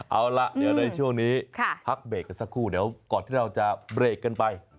เอาล่ะเดี๋ยวในช่วงนี้พักเบรกกันสักครู่เดี๋ยวก่อนที่เราจะเบรกกันไป